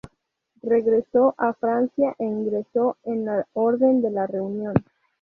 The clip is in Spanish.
Regresó a Francia e ingresó en la Orden de la Reunión.